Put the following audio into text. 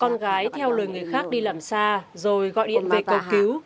con gái theo lời người khác đi làm xa rồi gọi điện về cầu cứu